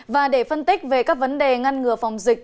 và để phân tích về các vấn đề ngăn ngừa phòng dịch